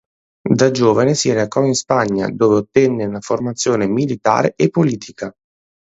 Da giovane si recò in Spagna, dove ottenne una formazione militare e politica.